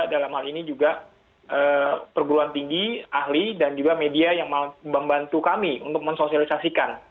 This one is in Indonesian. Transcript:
dalam hal ini juga perguruan tinggi ahli dan juga media yang membantu kami untuk mensosialisasikan